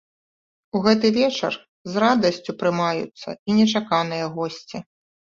У гэты вечар з радасцю прымаюцца і нечаканыя госці.